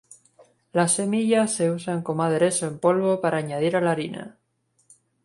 Las semillas se usan como aderezo en polvo para añadir a la harina.